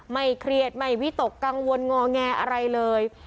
ไม่เครียดไม่วิตกกังวลงอแงอะไรเลย